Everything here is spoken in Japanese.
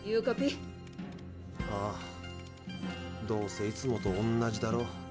どうせいつもと同じだろ。